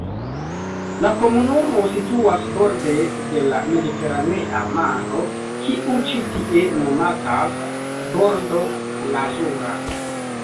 La komunumo situas borde de la Mediteranea Maro, kiu ĉi tie nomatas Bordo Lazura.